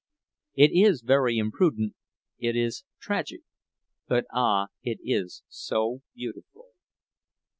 It is very imprudent, it is tragic—but, ah, it is so beautiful!